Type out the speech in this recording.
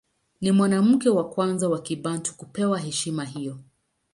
Ni mwanamke wa kwanza wa Kibantu kupewa heshima hiyo.